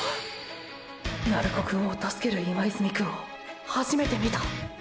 鳴子くんを助ける今泉くんを初めて見た。